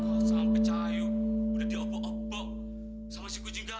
kok sampai cayu udah diopo opo sama si kujinggaro